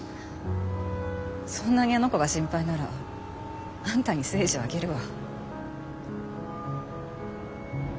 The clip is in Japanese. そんなにあの子が心配ならあんたに征二をあげるわ。